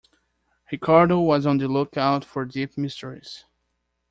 Ricardo was on the look-out for deep mysteries.